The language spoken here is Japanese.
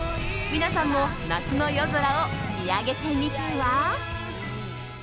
皆さんも夏の夜空を見上げてみては？